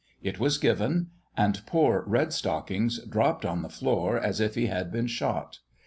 It was given; and poor "Red stockings" dropped on the floor, as if he had been shot.